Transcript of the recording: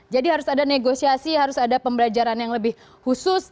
jadi harus ada negosiasi harus ada pembelajaran yang lebih khusus